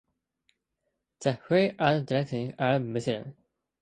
The Hui and Dongxiang are Muslims.